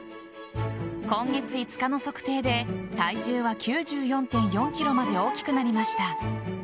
今月５日の測定で体重は９４．４ｋｇまで大きくなりました。